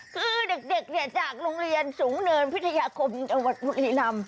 คือเด็กเนี่ยจากโรงเรียนสูงเนินพิทยาคมจังหวัดบุรีรำ